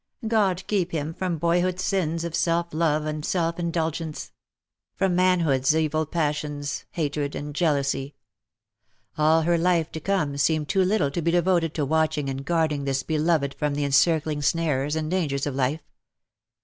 God keep him from boyhood's sins of self love and self indulgence — from man hood's evil passions, hatred and jealousy. All her life to come seemed too little to be devoted to watching and guarding this beloved from the encircling snares and dangers of life.